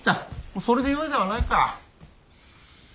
それでよいではないか。